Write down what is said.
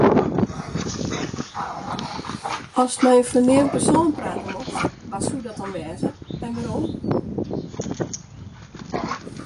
Ast mei in ferneamd persoan prate mochtst, wa soe dat dan wêze en wêrom?